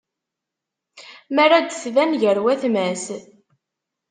Mi ara d-tban gar watma-s.